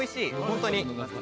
本当に。